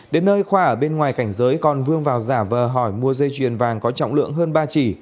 đến nơi khoa ở bên ngoài cảnh giới còn vương vào giả vờ hỏi mua dây chuyền vàng có trọng lượng hơn ba chỉ